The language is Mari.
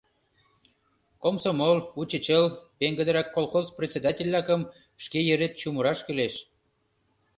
Комсомол, учичыл, пеҥгыдырак колхоз председатель-влакым шке йырет чумыраш кӱлеш.